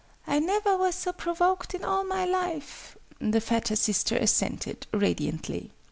"I never was so provoked in all my life!" the fatter sister assented, radiantly.